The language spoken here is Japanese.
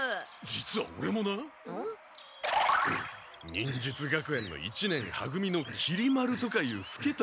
忍術学園の一年は組のきり丸とかいうふけた忍